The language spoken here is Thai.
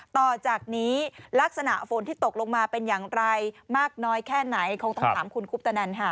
ต่อจากนี้ลักษณะฝนที่ตกลงมาเป็นอย่างไรมากน้อยแค่ไหนคงต้องถามคุณคุปตนันค่ะ